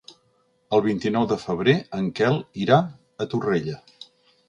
El vint-i-nou de febrer en Quel irà a Torrella.